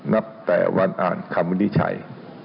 นับแต่วันอ่านคำวินิจฉัย